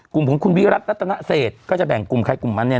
กลุ่มของคุณวิรัติรัตนเศษก็จะแบ่งกลุ่มใครกลุ่มมันเนี่ย